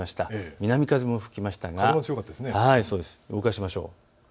南風も吹きましたが、動かしましょう。